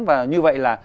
và như vậy là